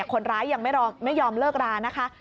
คนร้ายยังไม่ยอมเลิกรานะคะ